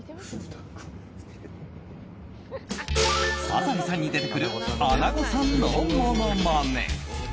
「サザエさん」に出てくるアナゴさんのものまね。